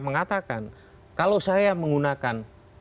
mengatakan kalau saya menggunakan